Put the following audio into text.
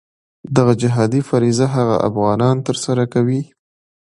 دغه جهادي فریضه هغه افغانان ترسره کوي.